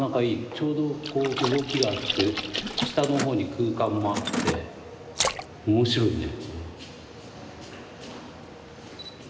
ちょうど動きがあって下の方に空間もあって面白いね。